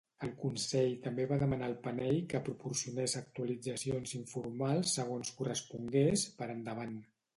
El Consell també va demanar al Panell que proporcionés actualitzacions informals segons correspongués, per endavant.